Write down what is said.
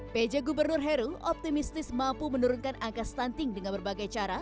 pj gubernur heru optimistis mampu menurunkan angka stunting dengan berbagai cara